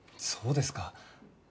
そうですか。